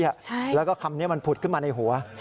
แล้วก็คำนี้มันผุดขึ้นมาในหัว